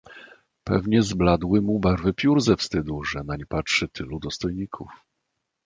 "Pewnie zbladły mu barwy piór ze wstydu, że nań patrzy tylu dostojników."